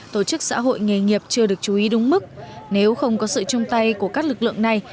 tổ chức xã hội nghề nghiệp chưa được chú ý đúng mức nếu không có sự chung tay của các lực lượng này